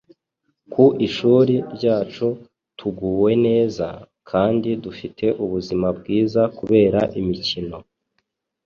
Ku ishuri ryacu tuguwe neza, kandi dufite ubuzima bwiza kubera imikino.